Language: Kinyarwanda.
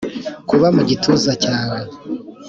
Kuba mugituza cyawe